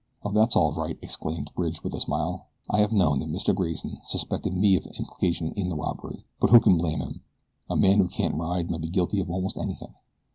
"Oh, that's all right," exclaimed Bridge, with a smile. "I have known that Mr. Grayson suspected me of implication in the robbery; but who can blame him a man who can't ride might be guilty of almost anything."